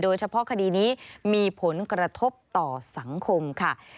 โดยเฉพาะคดีนี้มีผลกระทบต่อสังคมค่ะ